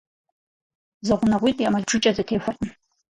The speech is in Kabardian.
Зэгъунэгъуитӏ я мэл бжыкӏэ зэтехуэркъым.